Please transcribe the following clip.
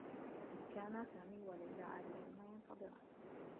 كانا سامي و ليلى عالقين، ينتظران.